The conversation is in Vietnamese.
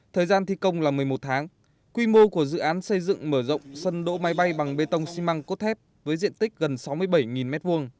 thời gian thi công là một mươi một tháng quy mô của dự án xây dựng mở rộng sân đỗ máy bay bằng bê tông xi măng cốt thép với diện tích gần sáu mươi bảy m hai